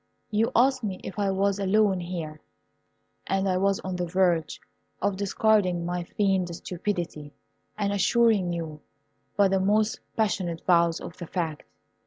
You asked me if I was alone here, and I was on the verge of discarding my feigned stupidity, and assuring you by the most passionate vows of the fact.